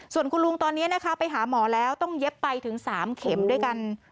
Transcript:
ส่วนคุณลุงตอนนี้นะคะไปหาหมอแล้วต้องเย็บไปถึง๓เข็มด้วยกัน